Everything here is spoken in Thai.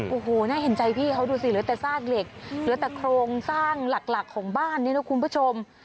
โอ้โหน่าเห็นใจพี่เขาดูสิเหลือแต่ซากเหล็กเหลือแต่โครงสร้างหลักของบ้านนี่นะคุณผู้ชม